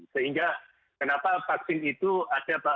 sehingga kenapa vaksin itu ada